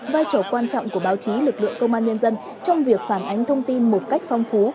vai trò quan trọng của báo chí lực lượng công an nhân dân trong việc phản ánh thông tin một cách phong phú